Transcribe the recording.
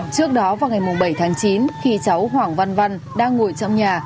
trước đó vào ngày bảy tháng chín khi cháu hoàng văn văn đang ngồi trong nhà